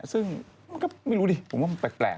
ซึ่งมันก็ไม่รู้ดิผมว่ามันแปลก